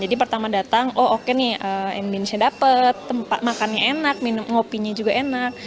jadi pertama datang oh oke nih ambiennya dapet tempat makannya enak minum kopinya juga enak